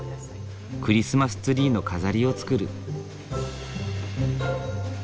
クリスマスツリーの飾りを作る。